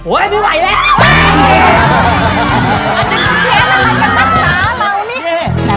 โอ้ยมีไหวเลย